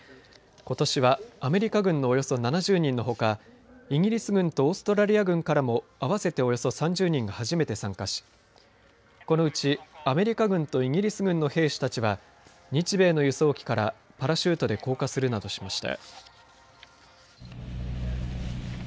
ことしはアメリカ軍のおよそ７０人のほかイギリス軍とオーストラリア軍からも合わせておよそ３０人が初めて参加しこのうちアメリカ軍とイギリス軍の兵士たちは日米の輸送機からパラシュートで降下するなどしました。